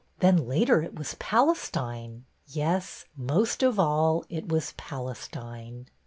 Then later it was Palestine. Yes, most of all it was Palestine."